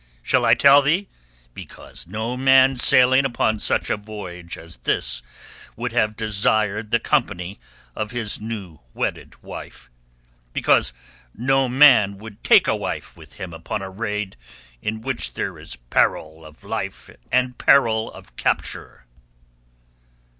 "Shall I tell thee? Because no man sailing upon such a voyage as this would have desired the company of his new wedded wife. Because no man would take a wife with him upon a raid in which there is peril of life and peril of capture."